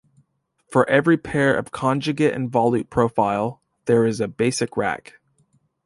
For every pair of conjugate involute profile, there is a basic rack.